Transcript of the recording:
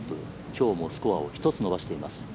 今日もスコアを１つ伸ばしています。